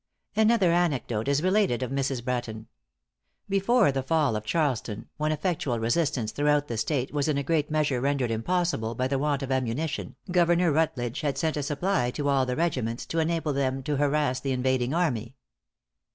Another anecdote is related of Mrs. Bratton. Before the fall of Charleston, when effectual resistance throughout the State was in a great measure rendered impossible by the want of ammunition, Governor Rutledge had sent a supply to all the regiments, to enable them to harass the invading army.